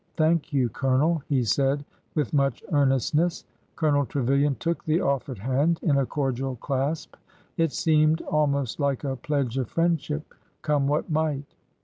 Thank you. Colonel," he said with much earnestness. Colonel Trevilian took the offered hand in^a cordial clasp. It seemed almost like a pledge of friendship, come what might.